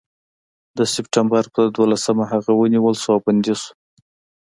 د سپټمبر پر دولسمه هغه ونیول شو او بندي شو.